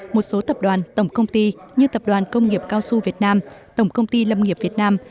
một số tập đoàn tổng công ty như tập đoàn công nghiệp cao su việt nam tổng công ty lâm nghiệp việt nam